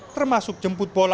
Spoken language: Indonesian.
termasuk jemput bola